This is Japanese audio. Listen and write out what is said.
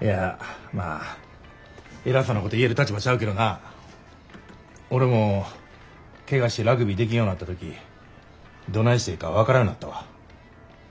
いやまあ偉そうなこと言える立場ちゃうけどな俺もケガしてラグビーできんようなった時どないしていいか分からんようなったわ。